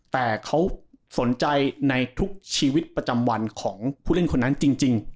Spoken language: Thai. แต่เขาสนใจในทุกชีวิตประจำวันของผู้เล่นคนนั้นจริง